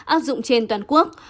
áp dụng trên toàn quốc